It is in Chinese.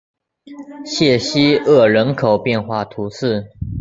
谢西厄人口变化图示